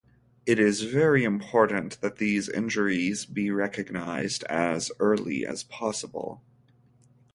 It is very important that these injuries be recognized as early as possible.